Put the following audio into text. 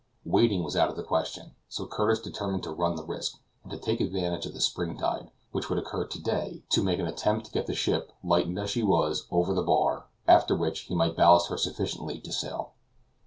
Waiting was out of the question; so Curtis determined to run the risk, and to take advantage of the spring tide, which would occur to day, to make an attempt to get the ship, lightened as she was, over the bar; after which, he might ballast her sufficiently to sail.